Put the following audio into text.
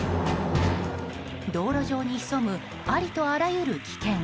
道路上に潜むありとあらゆる危険。